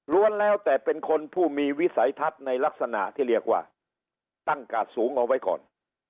แล้วแต่เป็นคนผู้มีวิสัยทัศน์ในลักษณะที่เรียกว่าตั้งกาดสูงเอาไว้ก่อน